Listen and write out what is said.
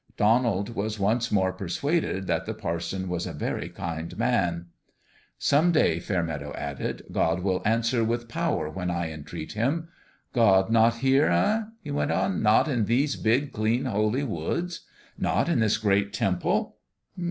Donald was once more persuaded that the parson was a very kind man. " Some day," Fairmeadow added, " God will answer with power when I entreat Him. God not here, eh ?" he went on. " Not in these big, clean, holy woods ? Not in this great temple